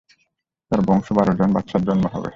তার বংশে বারজন বাদশাহর জন্ম হবে।